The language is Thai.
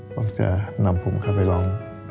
ผมจะนำผมเข้าไปร้อง